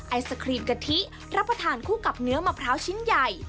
ไอศครีมกะทิรับประทานคู่กับเนื้อมะพร้าวชิ้นใหญ่